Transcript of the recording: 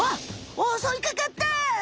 おそいかかった！